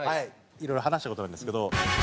いろいろ話した事なんですけど。